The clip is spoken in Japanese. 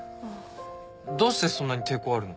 どうしてそんなに抵抗あるの？